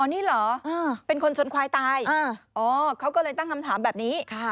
นี่เหรอเป็นคนชนควายตายอ๋อเขาก็เลยตั้งคำถามแบบนี้